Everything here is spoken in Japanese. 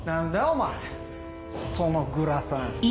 お前そのグラサン。